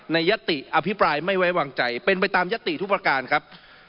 ยติอภิปรายไม่ไว้วางใจเป็นไปตามยติทุกประการครับ